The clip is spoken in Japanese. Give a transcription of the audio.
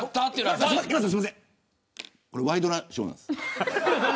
これ、ワイドナショーなんです。